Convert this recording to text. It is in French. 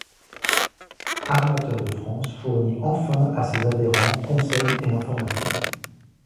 Armateurs de France fournit enfin à ses adhérents conseils et informations.